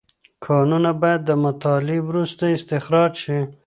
کانونه باید د مطالعې وروسته استخراج شي.